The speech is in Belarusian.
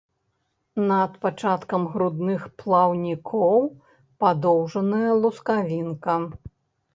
Над пачаткам грудных плаўнікоў падоўжаная лускавінка.